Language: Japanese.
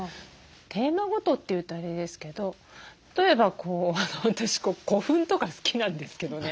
テーマごとっていうとあれですけど例えば私古墳とか好きなんですけどね。